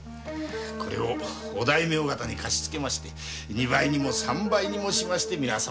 これをお大名方に貸し付けまして二倍にも三倍にもしまして皆様方に。